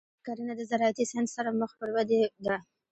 کرنه د زراعتي ساینس سره مخ پر ودې ده.